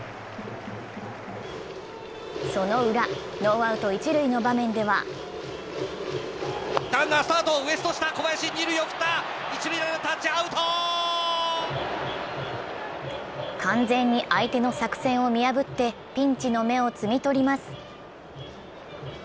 そのウラ、ノーアウト一塁の場面では完全に相手の作戦を見破ってピンチの芽を摘み取ります。